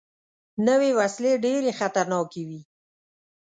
نوې وسلې ډېرې خطرناکې وي